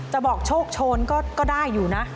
บอกโชคโชนก็ได้อยู่นะ